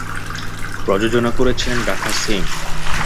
প্রযোজনা করেছেন রাখা সিং।